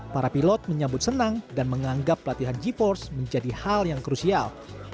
para pilot menyambut senang dan menganggap pelatihan g force menjadi hal yang krusial